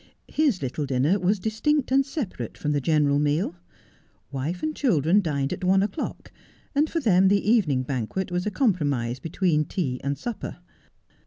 His little dinner was distinct and separate from the general meal. Wife and children dined at one o'clock ; and for them the evening banquet was a compromise between tea and supper.